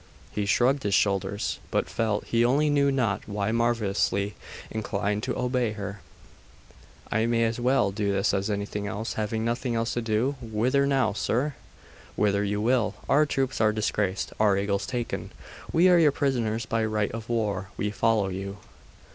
He shrugged his shoulders: but felt, he knew not why, marvellously inclined to obey her. 'I may as well do this as anything else, having nothing else to do. Whither now, sir?' 'Whither you will. Our troops are disgraced, our eagles taken. We are your prisoners by right of war. We follow you.